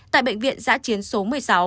tại bệnh viện giãi chiến số một mươi sáu